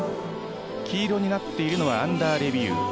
黄色になっているのはアンダーレビュー。